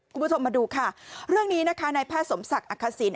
คุณผู้ชมมาดูค่ะเรื่องนี้นะคะในแพทย์สมศักดิ์อักษิณ